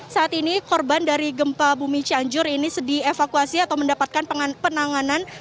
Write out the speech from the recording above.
saat ini korban dari gempa bumi cianjur ini dievakuasi atau mendapatkan penanganan